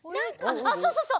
あっそうそうそう！